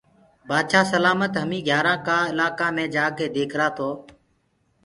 بآدشآه سلآمت هميٚنٚ گھيآرآنٚ ڪآ الآڪآ مي جآڪي ديکرآ تو